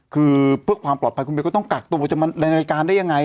คือเพื่อความปลอดภัยคุณเบลก็ต้องกักตัวจะมาในรายการได้ยังไง